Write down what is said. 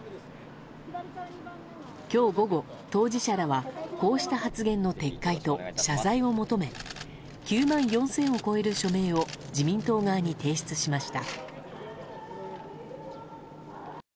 今日午後、当事者らはこうした発言の撤回と謝罪を求め９万４０００を超える署名を自民党側に提出しました。